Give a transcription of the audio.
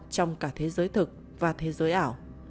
trong cả thế giới thực và thế giới ảo